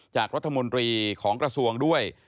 จากรัฐมนตรีของกระทรวงด้วย